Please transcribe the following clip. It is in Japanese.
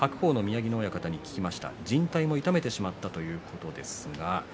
じん帯も痛めてしまったということです。